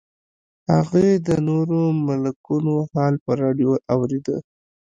هغې د نورو ملکونو حال په راډیو اورېده